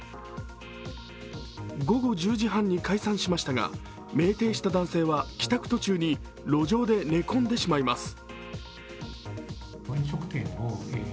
午後１０時半に解散しましたが酩酊した男性は帰宅途中に路上で寝込んでしまいます。